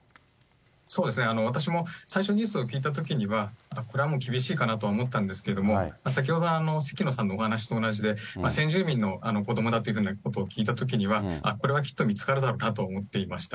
そうですね、私も最初にニュースを聞いたときには、これはもう厳しいかなとは思ったんですけれども、先ほど関野さんのお話と同じで、先住民の子どもだというふうなことを聞いたときには、あっ、これはきっと見つかるだろうなと思っていました。